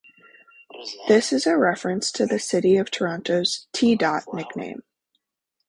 This is a reference to the city of Toronto's "T-Dot" nickname.